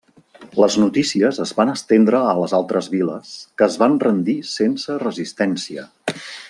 Les notícies es van estendre a les altres viles, que es van rendir sense resistència.